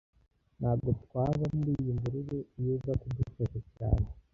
Ntago twaba muri iyi mvururu iyo uza kudufasha cyane